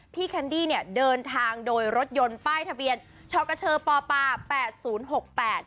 แคนดี้เนี่ยเดินทางโดยรถยนต์ป้ายทะเบียนชกเชอปแปดศูนย์หกแปด